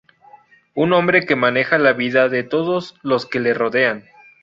Un hombre que maneja la vida de todos los que le rodean.